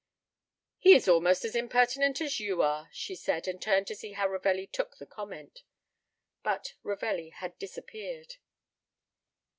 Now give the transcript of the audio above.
"He is almost as impertinent as you are," she said, and turned to see how Ravelli took the comment. But Ravelli had disappeared.